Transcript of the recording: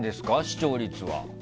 視聴率は。